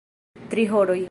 Tri horoj.